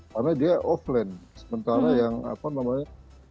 karena dia offline sementara yang apa namanya